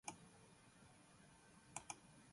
Much of the dimer surface contains hydrophobic residues.